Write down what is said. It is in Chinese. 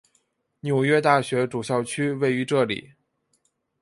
纽约大学主校区位于这里。